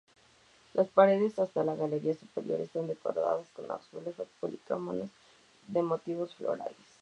Las paredes, hasta la galería superior, están decoradas con azulejos polícromos de motivos florales.